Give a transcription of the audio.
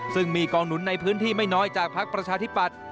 ซึ่งมีกองหนุนในพื้นที่ไม่น้อยจากภักดิ์ประชาธิปัตย์